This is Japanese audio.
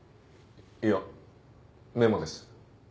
いやメモです。